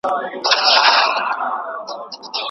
هغوی تېر کال د خپلو ناسمو کړنو له لاري ډېر غمونه ووېشل.